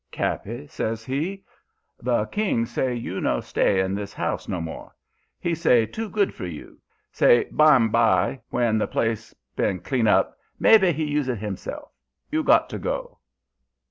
"'Cappy,' says he. 'The king say you no stay in this house no more. He say too good for you. Say, bimeby, when the place been clean up, maybe he use it himself. You got to go.'